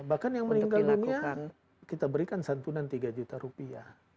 bahkan yang meninggal dunia kita berikan satu juta dan tiga juta rupiah